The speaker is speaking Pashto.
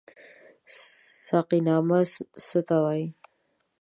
ساقينامه څه ته وايي؟